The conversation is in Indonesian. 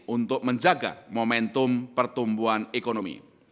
untuk menjaga momentum pertumbuhan ekonomi